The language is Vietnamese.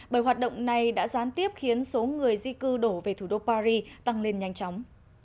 bởi hoạt động này đã gián tiếp khiến số người di cư đổ về thủ đô paris tăng lên nhanh chóng